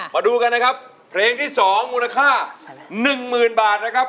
มาดูกันนะครับเพลงที่๒มูลค่า๑๐๐๐บาทนะครับ